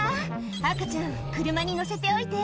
赤ちゃん車に乗せておいて」